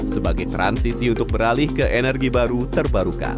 sebagai transisi untuk beralih ke energi baru terbarukan